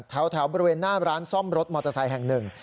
แถวบริเวณหน้าร้านซ่อมรถมอเตอร์ไซค์แห่งหนึ่ง